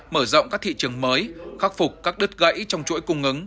mở rộng các thị trường mới khắc phục các đứt gãy trong chuỗi cung ứng